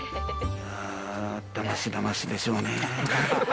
だましだましでしょうね。